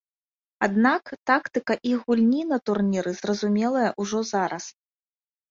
Аднак тактыка іх гульні на турніры зразумелая ўжо зараз.